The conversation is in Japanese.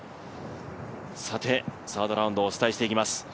さて、サードラウンドお伝えしていきます。